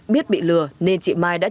biết bị lừa nên chị mai đã trình báo